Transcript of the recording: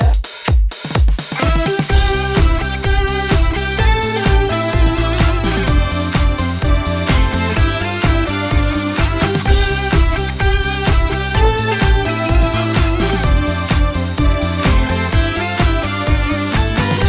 แต่เข้าอะไรเข้าอะไรก็สิทธิ์หาได้หมด